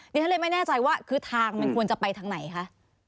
ฉันเลยไม่แน่ใจว่าคือทางมันควรจะไปทางไหนคะ